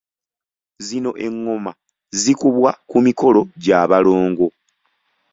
Zino engoma zikubwa ku mikolo gya balongo.